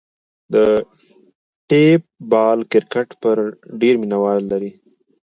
د ټیپ بال کرکټ ډېر مینه وال لري.